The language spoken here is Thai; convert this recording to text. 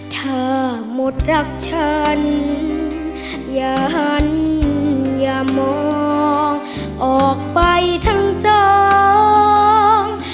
ถ้าหมดรักฉันอย่าหันอย่ามองออกไปทั้งสอง